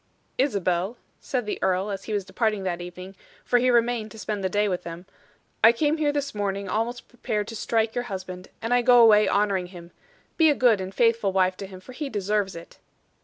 "Isabel," said the earl, as he was departing that evening, for he remained to spend the day with them, "I came here this morning almost prepared to strike your husband, and I go away honoring him. Be a good and faithful wife to him, for he deserves it."